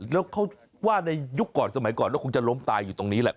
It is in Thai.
แล้วเขาว่าในยุคก่อนสมัยก่อนแล้วคงจะล้มตายอยู่ตรงนี้แหละ